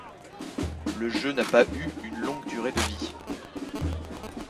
Le jeu n'a pas eu une longue durée de vie.